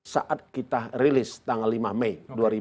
saat kita rilis tanggal lima mei dua ribu dua puluh